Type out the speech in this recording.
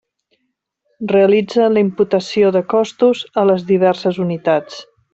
Realitza la imputació de costos a les diverses unitats.